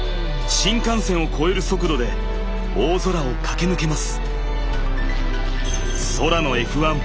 新幹線を超える速度で大空を駆け抜けます。